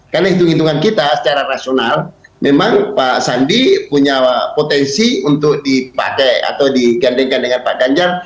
karena hitung hitungan kita secara rasional memang pak sandi punya potensi untuk dipakai atau digandenkan dengan pak ganjar